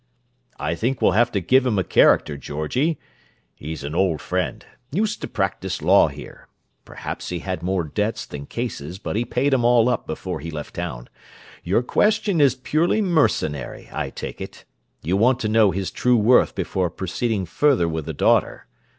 "I think we'll have to give him a character, Georgie. He's an old friend; used to practice law here—perhaps he had more debts than cases, but he paid 'em all up before he left town. Your question is purely mercenary, I take it: you want to know his true worth before proceeding further with the daughter.